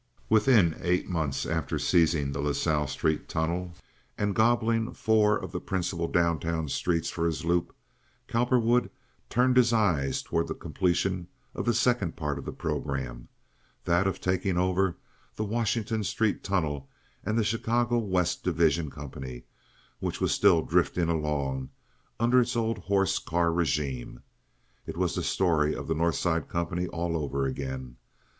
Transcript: Within eight months after seizing the La Salle Street tunnel and gobbling four of the principal down town streets for his loop, Cowperwood turned his eyes toward the completion of the second part of the programme—that of taking over the Washington Street tunnel and the Chicago West Division Company, which was still drifting along under its old horse car regime. It was the story of the North Side company all over again.